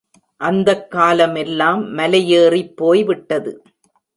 அந்தக் காலமெல்லாம் மலையேறிப்போய் விட்டது.